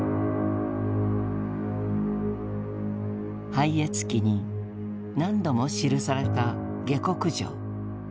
「拝謁記」に何度も記された「下剋上」。